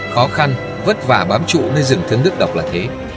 khó khăn vất vả bám trụ nơi rừng thương đức đọc là thế